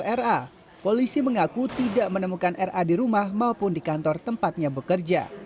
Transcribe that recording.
ra polisi mengaku tidak menemukan ra di rumah maupun di kantor tempatnya bekerja